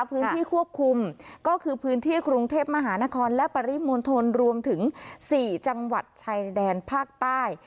พื้นที่ควบคุมก็คือพื้นที่กรุงเทพมหานครและปริมณฑลรวมถึง๔จังหวัดชายแดนภาคใต้